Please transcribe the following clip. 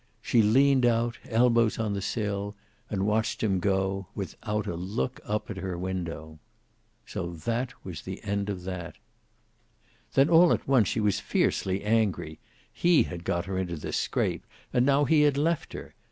She leaned out, elbows on the sill, and watched him go, without a look up at her window. So that was the end of that! Then, all at once, she was fiercely angry. He had got her into this scrape, and now he had left her.